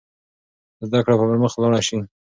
زده کړه به پرمخ ولاړه شي.